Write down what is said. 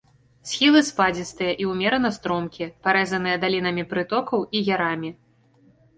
Схілы спадзістыя і ўмерана стромкія, парэзаныя далінамі прытокаў і ярамі.